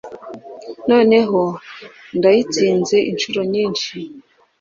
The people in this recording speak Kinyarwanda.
noneho ndayitsinze inshuro nyinshi